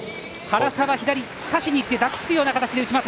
原沢、左さしにいって抱きつくような形で内股。